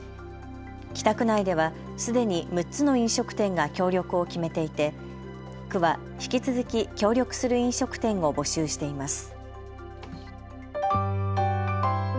北区内ではすでに６つの飲食店が協力を決めていて区は引き続き協力する飲食店を募集しています。